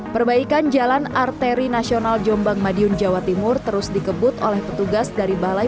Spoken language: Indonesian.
perbaikan jalan arteri nasional jombang madiun jawa timur terus dikebut oleh petugas dari balai